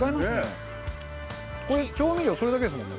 これ、調味料それだけですもんね。